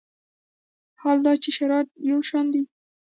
حال دا چې شرایط یو شان وي.